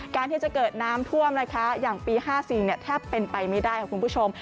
การที่จะเกิดน้ำท่วมนะคะอย่างปีห้าสี่เนี่ยแทบเป็นไปไม่ได้ของคุณผู้ชม